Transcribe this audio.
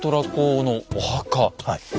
はい。